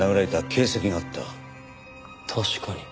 確かに。